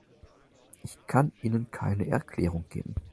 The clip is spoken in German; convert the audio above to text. Ich kann Ihnen keine Erklärung geben.